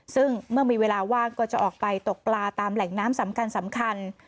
ซึ่งเมื่อมีเวลาว่างก็จะออกไปตกปลาตามแหล่งน้ำสำคัญ